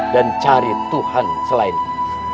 dan cari tuhan selainku